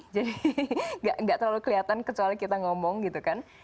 jadi gak terlalu kelihatan kecuali kita ngomong gitu kan